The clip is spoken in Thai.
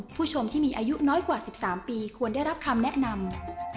ผู้ชมที่มีอายุน้อยกว่า๑๓ปีควรได้รับคำแนะนำ